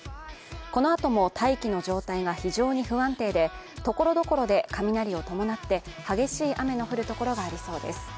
このあとも大気の状態が非常に不安定で、ところどころで雷を伴って激しい雨の降るところがありそうです。